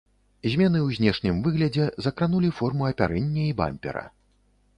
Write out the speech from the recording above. Змены ў знешнім выглядзе закранулі форму апярэння і бампера.